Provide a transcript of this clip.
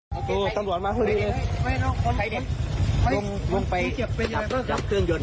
ผมไม่รู้หรอกคุณขาบบ้านเร็วมาก